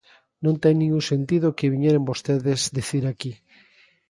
Non ten ningún sentido o que viñeron vostedes dicir aquí.